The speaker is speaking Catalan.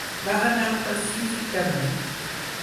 Va anar pacíficament.